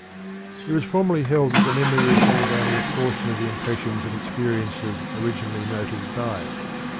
It was formerly held that the memory retained only a portion of the impressions and experiences originally noted by it.